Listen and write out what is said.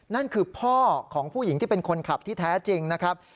นั่นคือพ่อของผู้หญิงที่เป็นคนขับที่แท้จริงนะครับ